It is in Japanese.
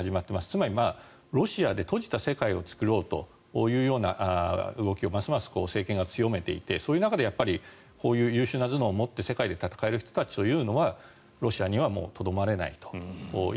つまり、ロシアで閉じた世界を作ろうというような動きをますます政権が強めていてそういう中でこういう優秀な頭脳を持って世界で戦える人たちはロシアにはもうとどまれないと。